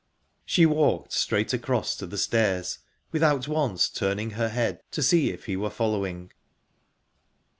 She walked straight across to the stairs, without once turning her head to see if he were following.